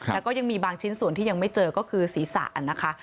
แต่ก็ยังมีบางชิ้นส่วนที่ยังไม่เจอก็คือศีรษะนะคะ